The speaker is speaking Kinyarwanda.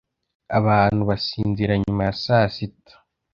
abantu basinzira nyuma ya saa sitaYawns